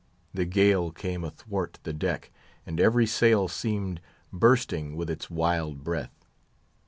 The gale came athwart the deck, and every sail seemed bursting with its wild breath.